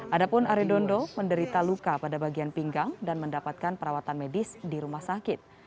adapun aridondo menderita luka pada bagian pinggang dan mendapatkan perawatan medis di rumah sakit